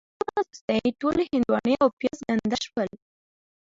د څو ورځو وروسته یې ټولې هندواڼې او پیاز ګنده شول.